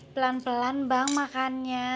pelan pelan bang makannya